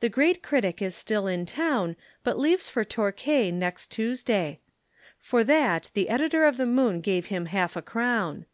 The great critic is still in town but leaves for Torquay next Tuesday.' For that the editor of the Moon gave him half a crown."